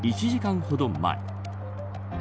１時間ほど前。